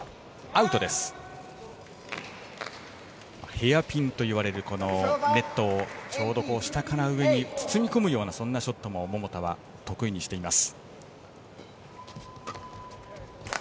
ヘアピンといわれるちょうど下から上に包み込むようなショットも桃田は得意にしています。